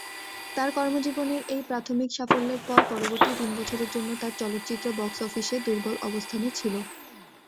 তার কর্মজীবনের এই প্রাথমিক সাফল্যের পর, পরবর্তী তিন বছরের জন্য তার চলচ্চিত্র বক্স অফিসে দুর্বল অবস্থানে ছিল।